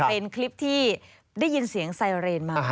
เป็นคลิปที่ได้ยินเสียงไซเรนมา